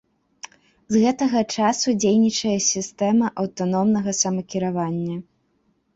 З гэтага часу дзейнічае сістэма аўтаномнага самакіравання.